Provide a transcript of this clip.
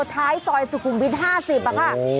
ท้ายซอยสุขุมวิท๕๐ค่ะ